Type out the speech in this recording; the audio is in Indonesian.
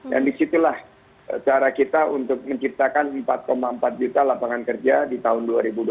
dan disitulah cara kita untuk menciptakan empat empat juta lapangan kerja di tahun dua ribu dua puluh empat